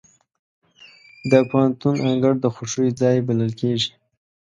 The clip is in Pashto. د پوهنتون انګړ د خوښیو ځای بلل کېږي.